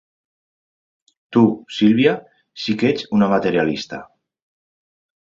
Tu, Sílvia, sí que ets una materialista.